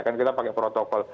kan kita pakai protokol